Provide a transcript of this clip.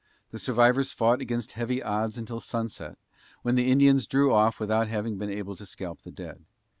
The survivors fought against heavy odds until sunset, when the Indians drew off without having been able to scalp the dead.